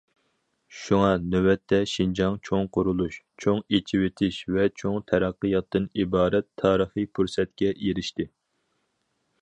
شۇڭا، نۆۋەتتە شىنجاڭ چوڭ قۇرۇلۇش، چوڭ ئېچىۋېتىش ۋە چوڭ تەرەققىياتتىن ئىبارەت تارىخىي پۇرسەتكە ئېرىشتى.